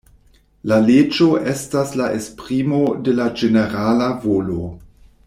La leĝo estas la esprimo de la ĝenerala volo.